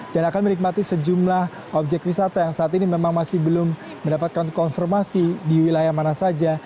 dan akan menikmati sejumlah objek wisata yang saat ini memang masih belum mendapatkan konfirmasi di wilayah mana saja